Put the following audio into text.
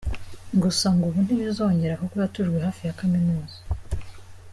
Gusa ngo ubu ntibizongera kuko yatujwe hafi ya kaminuza.